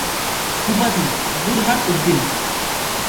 উপাধি: বুরহান উদ্দীন।